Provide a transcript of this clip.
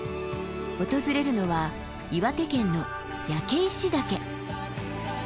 訪れるのは岩手県の焼石岳。